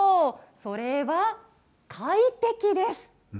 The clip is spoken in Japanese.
それは快適です。